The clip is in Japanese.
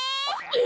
え！？